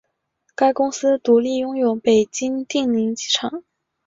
该公司独立拥有北京定陵机场。